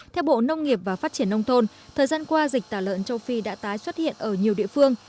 theo bộ nông nghiệp và phát triển nông thôn thời gian qua dịch tả lợn châu phi đã tái xuất hiện ở nhiều địa phương